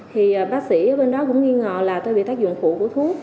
thì bác sĩ ở bên đó cũng nghi ngờ là tôi bị tác dụng phụ của thuốc